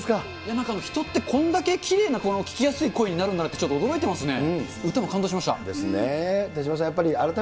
なんか人ってこんだけきれいな聴きやすい声になるんだなって、ちょっと驚いてますね。